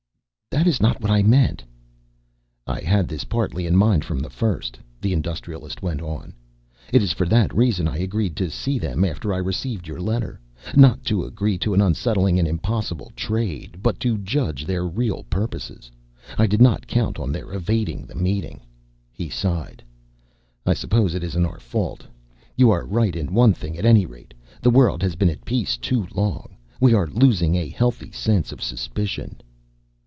"That is not what I meant." "I had this partly in mind from the first." The Industrialist went on. "It is for that reason I agreed to see them after I received your letter. Not to agree to an unsettling and impossible trade, but to judge their real purposes. I did not count on their evading the meeting." He sighed. "I suppose it isn't our fault. You are right in one thing, at any rate. The world has been at peace too long. We are losing a healthy sense of suspicion."